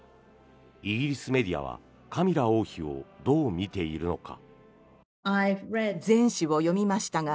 イギリスメディアはカミラ王妃をどう見ているのか。